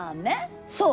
そう！